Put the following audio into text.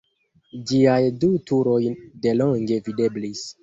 Ĝiaj du turoj de longe videblis.